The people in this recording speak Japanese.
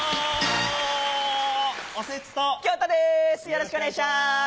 よろしくお願いします